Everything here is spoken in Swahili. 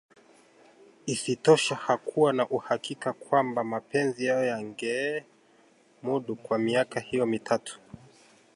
Isitoshe, hakuwa na uhakika kwamba mapenzi yao yangemudu kwa miaka hiyo mitatu